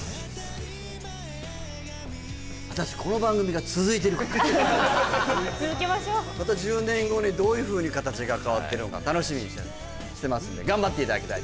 はいあのはい果たして続けましょうまた１０年後にどういうふうに形が変わってるのか楽しみにしてますんで頑張っていただきたい